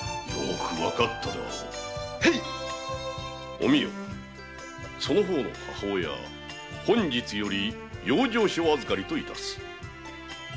お美代その方の母親本日より養生所預かりといたす。